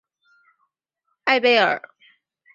艾贝尔。